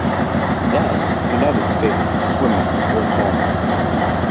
Thus, "United States Swimming" was born.